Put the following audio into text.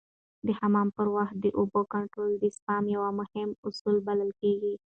د حمام پر وخت د اوبو کنټرول د سپما یو مهم اصل بلل کېږي.